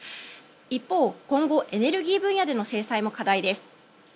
一方、今後エネルギー分野での制裁も課題です。